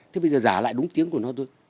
thế bây giờ giả lại đúng tiếng của nó thôi